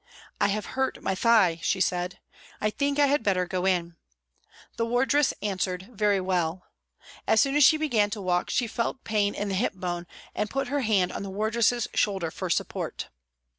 " I have hurt my thigh," she said ; "I think I had better go in." The wardress answered, " Very well." As soon as she began to walk she felt pain in the hip bone and put her hand on the wardress's shoulder for support.